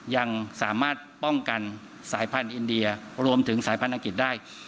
ยังสามารถป้องกันสายพันธุ์อินเดียรวมถึงสายพันธังกฤษได้